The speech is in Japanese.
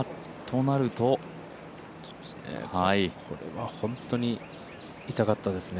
これは本当に痛かったですね。